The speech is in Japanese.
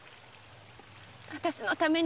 私のために。